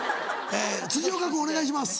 辻岡君お願いします。